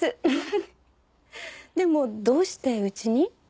でもどうしてうちに？